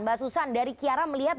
mbak susan dari kiara melihat